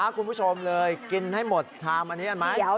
คุณผู้ชมเลยกินให้หมดชามอันนี้ได้ไหม